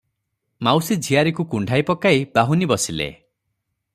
ମାଉସୀ ଝିଆରୀକୁ କୁଣ୍ଢାଇ ପକାଇ ବାହୁନି ବସିଲେ ।